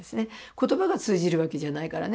言葉が通じるわけじゃないからね。